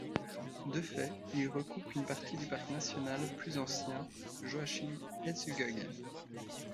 De fait, il recoupe une partie du parc national plus ancien Jōshin'etsukōgen.